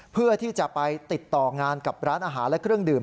เพื่อที่จะไปติดต่องานกับร้านอาหารและเครื่องดื่ม